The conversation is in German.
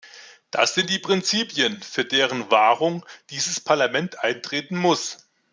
Das sind die Prinzipien, für deren Wahrung dieses Parlament eintreten muss.